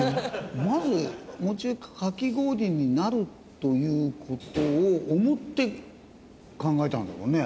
まずもちかき氷になるという事を思って考えたんだろうね。